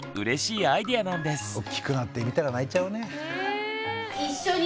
おっきくなって見たら泣いちゃうね。